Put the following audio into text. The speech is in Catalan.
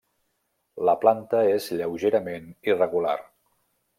La planta és lleugerament irregular.